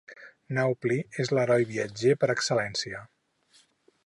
Naupli és l'heroi viatger per excel·lència.